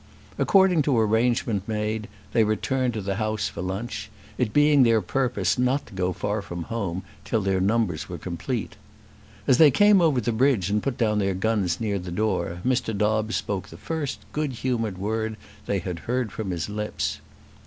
According to arrangement made they returned to the house for lunch, it being their purpose not to go far from home till their numbers were complete. As they came over the bridge and put down their guns near the door, Mr. Dobbes spoke the first good humoured word they had heard from his lips.